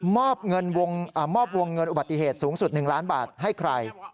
มอบวงเงินอุบัติเหตุสูงสุด๑ล้านบาทให้ใคร